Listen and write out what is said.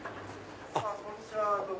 こんにちは。